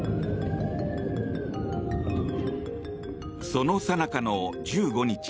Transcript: そのさなかの１５日